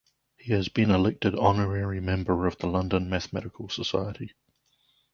He has been elected honorary member of the London Mathematical Society.